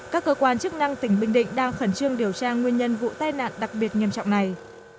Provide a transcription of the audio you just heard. các cơ quan chức năng tỉnh bình định đang khẩn trương điều tra nguyên nhân vụ tai nạn đặc biệt nghiêm trọng này